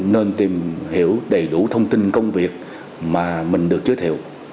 nên tìm hiểu đầy đủ thông tin công việc mà mình được giới thiệu